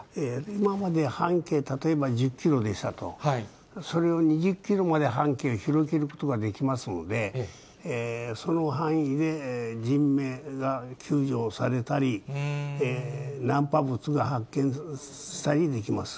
今まで半径、例えば１０キロでしたと、それを２０キロまで半径広げることができますので、その範囲で人命が救助されたり、難破物が発見したりできます。